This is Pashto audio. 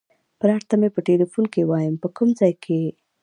پلار ته مې په ټیلیفون کې وایم په کوم ځای کې یې.